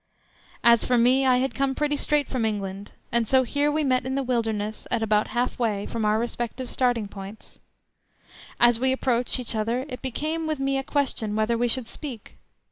As for me, I had come pretty straight from England, and so here we met in the wilderness at about half way from our respective starting points. As we approached each other it became with me a question whether we should speak.